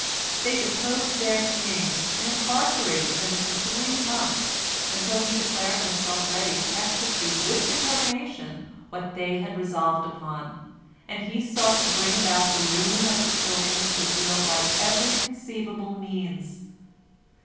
They deposed their king, and incarcerated him for three months, until he declared himself ready to execute with determination what they had resolved upon, and he sought to bring about the ruin of the children of Israel by every conceivable means.